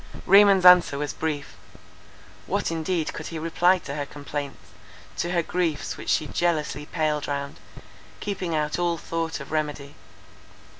Raymond's answer was brief. What indeed could he reply to her complaints, to her griefs which she jealously paled round, keeping out all thought of remedy.